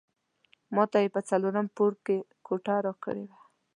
ماته یې په څلورم پوړ کې کوټه راکړې وه.